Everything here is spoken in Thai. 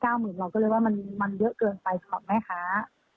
หมื่นเราก็เลยว่ามันเยอะเกินไปสำหรับแม่ค้า